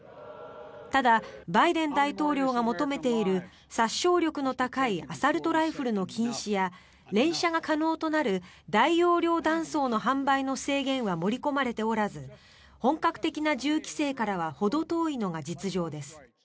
ただ、バイデン大統領が求めている殺傷力の高いアサルトライフルの禁止や連射が可能となる大容量弾倉の販売の制限は盛り込まれておらず本格的な銃規制からはほど遠いのが実情です。